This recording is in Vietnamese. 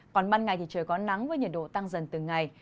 còn ban ngày thì trời có nắng với nhiệt độ tăng dần từng ngày